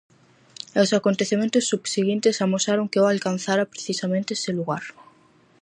E os acontecementos subseguintes amosaron que eu alcanzara precisamente ese lugar.